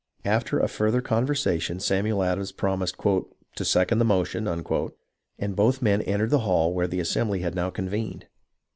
After a further conversation Samuel Adams promised " to second the motion, " and both men entered the hall where the assembly had now convened.